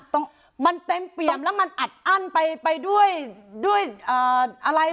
ตรงมันเต็มเปี่ยมแล้วมันอัดอั้นไปไปด้วยด้วยอะไร